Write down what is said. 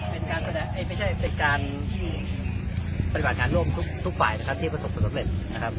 เป็นการแสดงไม่ใช่เป็นการปฏิบัติงานร่วมทุกฝ่ายนะครับที่ประสบความสำเร็จนะครับ